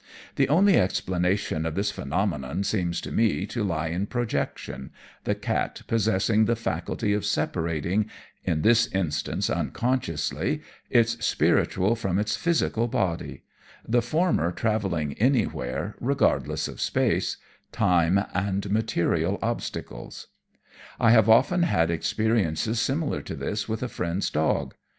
The only explanation of this phenomenon seems to me to lie in projection the cat possessing the faculty of separating in this instance, unconsciously its spiritual from its physical body the former travelling anywhere, regardless of space, time and material obstacles. I have often had experiences similar to this with a friend's dog.